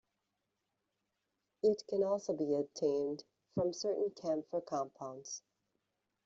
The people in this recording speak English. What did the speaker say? It can also be obtained from certain camphor compounds.